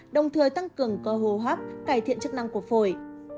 đồng thời tăng cường cơ hô hấp cải thiện chức năng của phổi